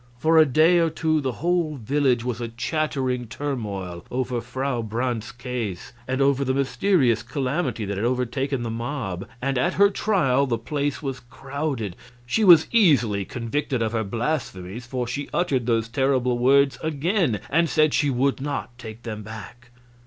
For a day or two the whole village was a chattering turmoil over Frau Brandt's case and over the mysterious calamity that had overtaken the mob, and at her trial the place was crowded. She was easily convicted of her blasphemies, for she uttered those terrible words again and said she would not take them back.